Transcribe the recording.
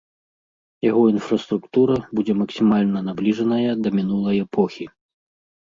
Яго інфраструктура будзе максімальна набліжаная да мінулай эпохі.